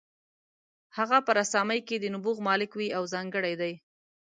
هغه په رسامۍ کې د نبوغ مالک وي او ځانګړی دی.